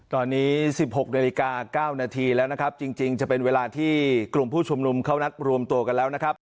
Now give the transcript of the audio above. ตอนนี้๑๖นาฬิกา๙นาทีแล้วนะครับจริงจะเป็นเวลาที่กลุ่มผู้ชุมนุมเข้านัดรวมตัวกันแล้วนะครับ